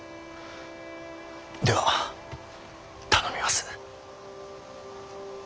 では頼みます。